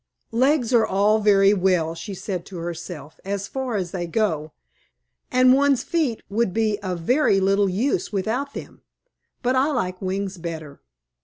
"Legs are all very well," she said to herself, "as far as they go, and one's feet would be of very little use without them; but I like wings better.